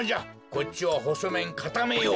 こっちはほそめんかためよう。